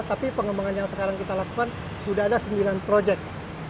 tapi pengembangan yang sekarang kita lakukan sudah ada sembilan proyek